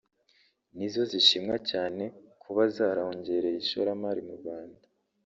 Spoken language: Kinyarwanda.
nizo zishimwa cyane kuba zarongereye ishoramari mu Rwanda